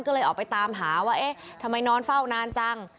ก็เลยออกไปตามหาว่าเอ๊ะทำไมนอนเฝ้านานจัง